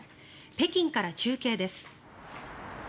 北京から中継です。